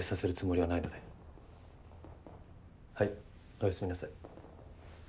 おやすみなさい。